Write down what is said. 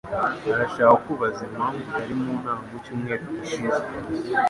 arashaka kukubaza impamvu utari mu nama mu cyumweru gishize.